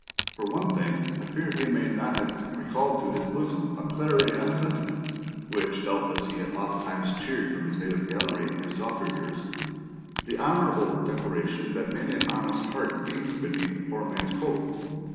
For one thing, I fear he may not have recalled to his bosom a clarion sentiment (which doubtless he had ofttimes cheered from his native gallery in softer years): the honourable declaration that many an honest heart beats beneath a poor man's coat.